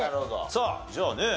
さあじゃあね